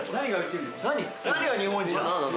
何が日本一なの？